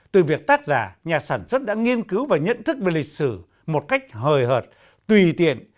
từ việc tác giả nhà sản xuất đã nghiên cứu và nhận thức về lịch sử một cách hời hợt tùy tiện